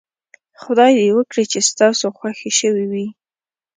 خدای دې وکړي چې ستاسو خوښې شوې وي.